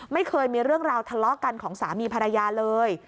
ไม่เคยมีเรื่องราวทะเลาะกันของสามีภรรยาเลย